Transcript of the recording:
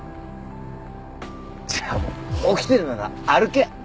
じゃあもう起きてるなら歩け！